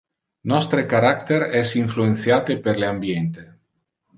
Nostre character es influentiate per le ambiente.